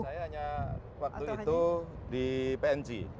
saya hanya waktu itu di png